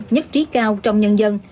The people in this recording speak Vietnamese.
nhất trí cao trong nhân dân